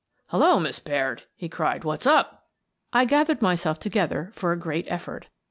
" Hello, Miss Baird !" he cried. " What's up ?" I gathered myself together for a great effort.